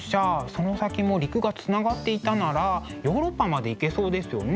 その先も陸がつながっていたならヨーロッパまで行けそうですよね。